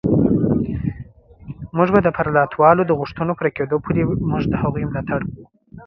موږ به د پرلتوالو د غوښتنو پوره کېدو پورې موږ د هغوی ملاتړ کوو